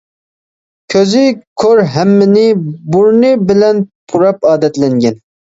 كۆزى كور ھەممىنى بۇرنى بىلەن پۇراپ ئادەتلەنگەن.